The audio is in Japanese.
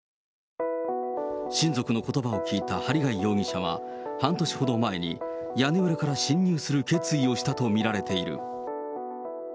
親族のことばを聞いた針谷容疑者は、半年ほど前に屋根裏から侵入する決意をしたと見られている。